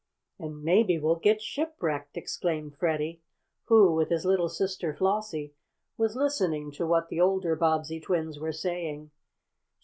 "And maybe we'll get shipwrecked!" exclaimed Freddie, who, with his little sister Flossie, was listening to what the older Bobbsey twins were saying.